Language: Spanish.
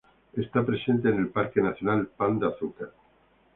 Está presente en el Parque Nacional Pan de Azúcar.